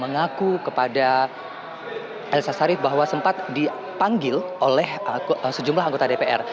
mengaku kepada elsa sharif bahwa sempat dipanggil oleh sejumlah anggota dpr